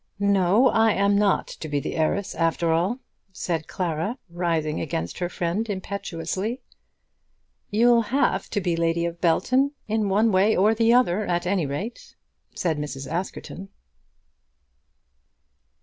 "No; I am not to be the heiress after all," said Clara, rising against her friend impetuously. "You'll have to be lady of Belton in one way or the other at any rate," said Mrs. Askerton.